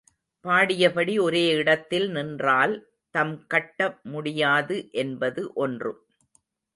பாடியபடி ஒரே இடத்தில் நின்றால், தம் கட்ட முடியாது என்பது ஒன்று.